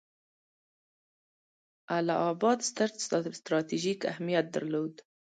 اله اباد ستر ستراتیژیک اهمیت درلود.